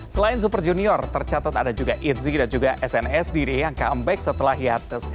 selain super junior tercatat ada juga itzy dan juga snsd yang comeback setelah hiatus